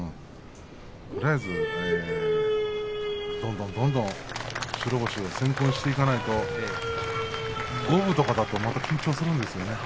とりあえず、どんどん、白星を先行していかないと五分とかだとまた緊張するんですよね。